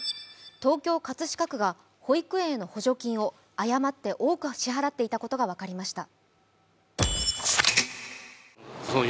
東京・葛飾区が保育園への補助金を誤って多く支払っていたことが分かりました。